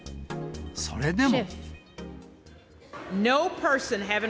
それでも。